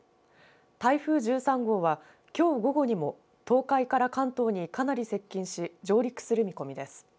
台風１３号はきょう午後にも東海から関東にかなり接近し上陸する見込みです。